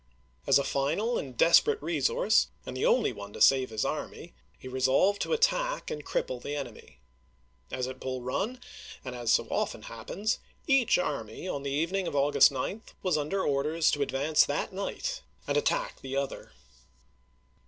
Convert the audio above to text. As a final and desperate resource, and the only one to save his army, he resolved to attack and cripple the enemy. As at Bull Run, and as so often happens, each army, on the evening of 1861. August 9, was under orders to advance that night and attack the other.